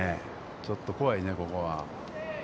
ちょっと怖いね、ここは。